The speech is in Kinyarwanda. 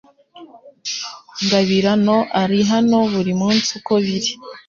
Ngabirano ari hano buri munsi uko biri